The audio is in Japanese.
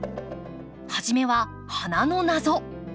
初めは花の謎。